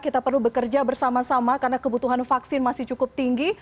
kita perlu bekerja bersama sama karena kebutuhan vaksin masih cukup tinggi